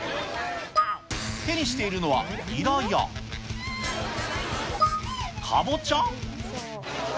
手にしているのは、ニラや、カボチャ？